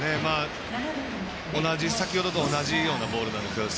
先ほど同じようなボールなんですよね。